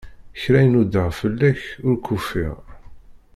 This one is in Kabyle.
Kra i nudaɣ fell-ak, ur k-ufiɣ.